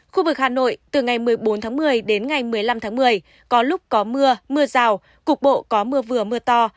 khu vực hà nội từ ngày một mươi bốn tháng một mươi đến ngày một mươi năm tháng một mươi có lúc có mưa mưa rào cục bộ có mưa vừa mưa to